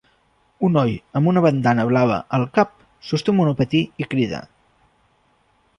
Un noi amb una bandana blava al cap sosté un monopatí i crida